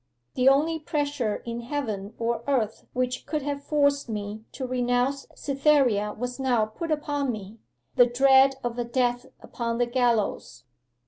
The only pressure in heaven or earth which could have forced me to renounce Cytherea was now put upon me the dread of a death upon the gallows.